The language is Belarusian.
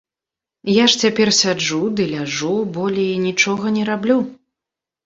Я ж цяпер сяджу ды ляжу, болей нічога не раблю.